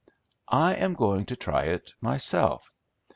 "I am going to try it myself.